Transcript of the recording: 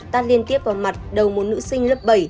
tan liên tiếp vào mặt đầu một nữ sinh lớp bảy